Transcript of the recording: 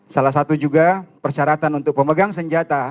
salah satu juga persyaratan untuk pemegang senjata